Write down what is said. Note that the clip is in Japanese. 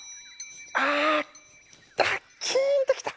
あっキーンときた！